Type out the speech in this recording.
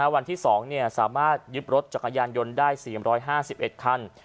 วันที่๒สามารถยึดรถจักรยานยนต์ได้๔๕๑คัน